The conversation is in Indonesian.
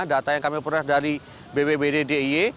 data yang kami perhatikan dari bbbddi